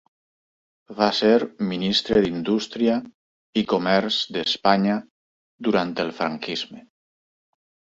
Va ser ministre d'Indústria i Comerç d'Espanya durant el franquisme.